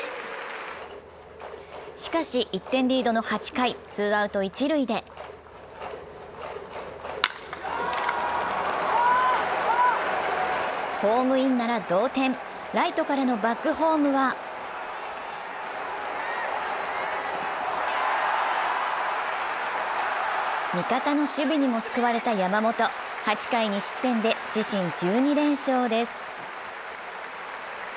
しかし、１点リードの８回、ツーアウト一塁で、ホームインなら同点、ライトからのバックホームは味方の守備にも救われた山本、８回２失点で自信１２連勝です。